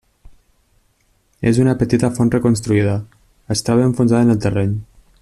És una petita font reconstruïda, es troba enfonsada en el terreny.